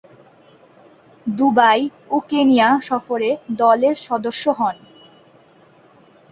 Dubai ও Kenya সফরে দলের সদস্য হন।